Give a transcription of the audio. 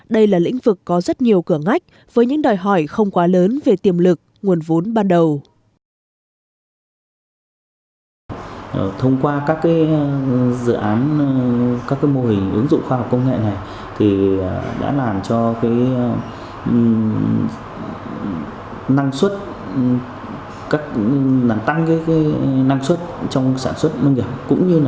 đây là lĩnh vực có rất nhiều cửa ngách với những đòi hỏi không quá lớn về tiềm lực nguồn vốn ban đầu